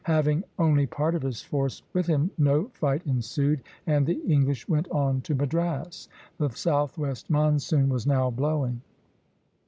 Having only part of his force with him, no fight ensued, and the English went on to Madras. The southwest monsoon was now blowing.